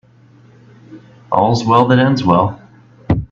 All's well that ends well.